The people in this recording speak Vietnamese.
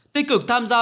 tích cực tham gia